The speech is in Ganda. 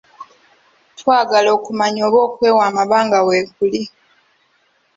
Twagala okumanya oba okwewa amabanga weekuli.